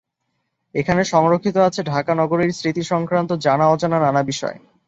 এখানে সংরক্ষিত আছে ঢাকা নগরীর স্মৃতি সংক্রান্ত জানা-অজানা নানা বিষয়।